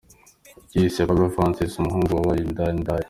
Yise Papa Francis “umuhungu wabyawe n’indaya”.